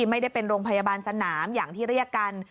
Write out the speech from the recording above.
ไม่ได้เป็นโรงพยาบาลสนามอย่างที่เรียกกัน